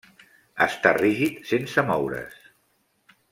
Està rígid, sense moure's.